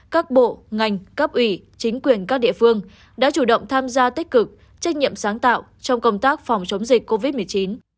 các bộ ngành cấp ủy chính quyền các địa phương đã chủ động tham gia tích cực trách nhiệm sáng tạo trong công tác phòng chống dịch covid một mươi chín